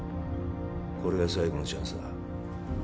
これが最後のチャンスだ